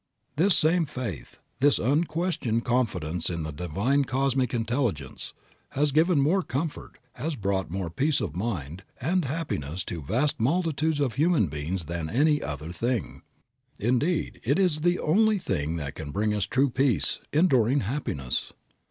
This same faith, this unquestioned confidence in the divine cosmic Intelligence, has given more comfort, has brought more peace of mind, and happiness to vast multitudes of human beings than any other thing. Indeed it is the only thing that can bring us true peace, enduring happiness.